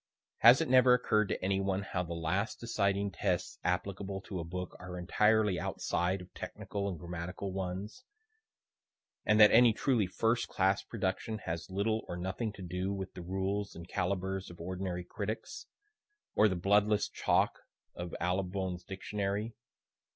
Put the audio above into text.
(Has it never occur'd to any one how the last deciding tests applicable to a book are entirely outside of technical and grammatical ones, and that any truly first class production has little or nothing to do with the rules and calibres of ordinary critics? or the bloodless chalk of Allibone's Dictionary?